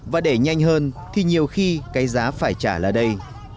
và để nhanh hơn thì nhiều khi cái giá phải trả là đây